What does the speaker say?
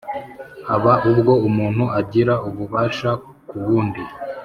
haba ubwo umuntu agira ububasha ku wundi